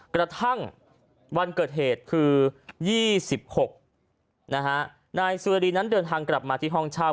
กระทั่งวันเกิดเหตุคือยี่สิบหกนะฮะนายสูรายดีนั้นเดินทางกลับมาที่หองชาว